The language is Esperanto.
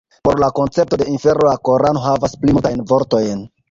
Por la koncepto de infero la korano havas pli multajn vortojn.